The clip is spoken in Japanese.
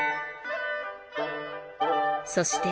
そして